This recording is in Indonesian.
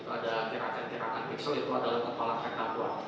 ada kerakan kerakan piksel itu adalah kepala terdakwa